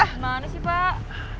gimana sih pak